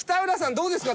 どうですか？